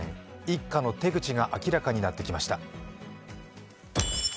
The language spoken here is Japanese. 一家の手口が明らかになってきました。